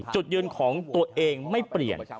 จุดยืนของตัวเองไม่เปลี่ยน